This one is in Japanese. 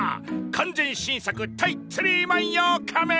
完全新作対ツリーマン用仮面！